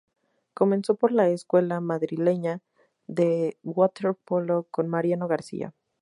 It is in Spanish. Comenzó en la escuela madrileña de waterpolo con Mariano García.